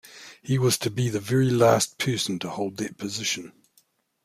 He was to be the very last person to hold that position.